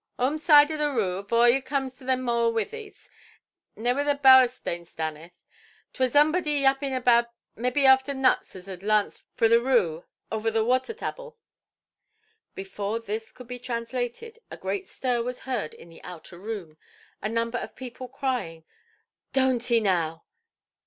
"Homezide of the rue, avore you coams to them hoar–witheys, naigh whur the bower–stone stanneth. 'Twur zumbawdy yaping about mebbe after nuts as had lanced fro' the rue auver the water–tabble". Before this could be translated, a great stir was heard in the outer–room, a number of people crying "Donʼt 'ee–now"!